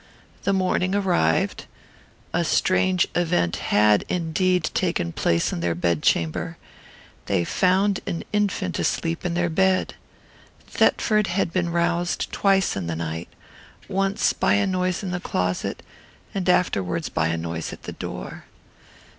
The morning arrived. A strange event had, indeed, taken place in their bedchamber. They found an infant asleep in their bed. Thetford had been roused twice in the night, once by a noise in the closet, and afterwards by a noise at the door.